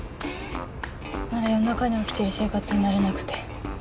まだ夜中に起きてる生活に慣れなくて。